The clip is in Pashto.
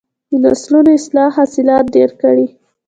د نسلونو اصلاح حاصلات ډیر کړي.